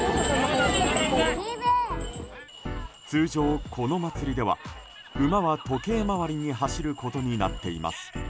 通常、この祭りでは馬は時計回りに走ることになっています。